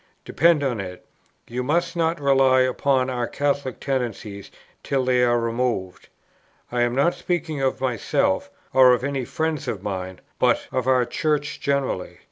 Depend upon it, you must not rely upon our Catholic tendencies till they are removed. I am not speaking of myself, or of any friends of mine; but of our Church generally.